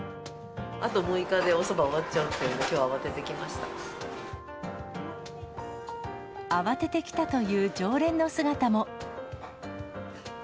あと６日でおそば終わっちゃうっていうんで、きょうは慌てて慌てて来たという常連の姿も。